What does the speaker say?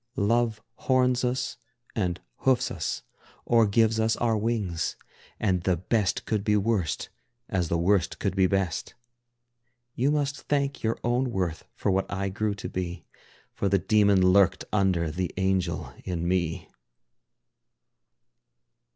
Love horns us and hoofs us or gives us our wings, And the best could be worst, as the worst could be best. You must thank your own worth for what I grew to be, For the demon lurked under the angel in me.